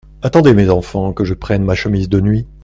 Attendez, mes enfants, que je prenne ma chemise de nuit !